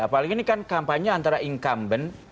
apalagi ini kan kampanye antara incumbent